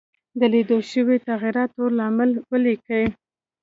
د لیدل شوو تغیراتو لامل ولیکئ.